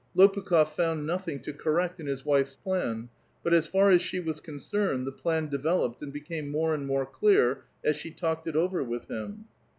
Lopukh6f found nothing to correct in his wife's plan; but as far as she was concerned, the plan developed and became more and more clear as she talked it over with him.